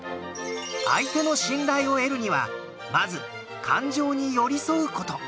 相手の信頼を得るにはまず感情に寄り添う事。